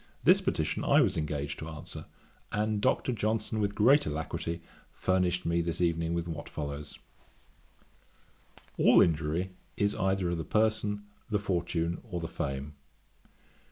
This petition I was engaged to answer, and Dr. Johnson with great alacrity furnished me this evening with what follows: 'All injury is either of the person, the fortune, or the fame.